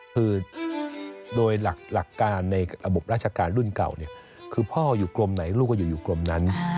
คือโดยหลักการในระบบราชการรุ่นเก่าคือพ่ออยู่กรมไหนลูกก็อยู่กรมนั้น